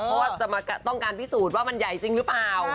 เพราะว่าต้องการพิสูจน์ว่ามันใหญ่จริงหรือเปล่า